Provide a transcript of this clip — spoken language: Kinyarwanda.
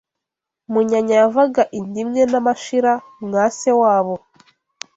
Munyanya yavaga inda imwe na Mashira mwa se wabo